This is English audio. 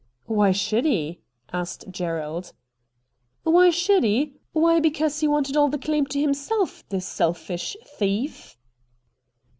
' Why should he ?' asked Gerald. ' Why should he ? Why, because he wanted all the claim to himself, the selfish thief.'